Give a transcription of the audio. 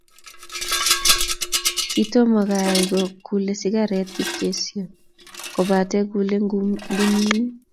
Kitom kai kogule sigaret Kipkesio, kobate kulei ngunim